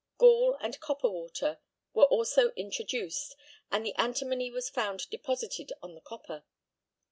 Gall and copper water were also introduced, and the antimony was found deposited on the copper.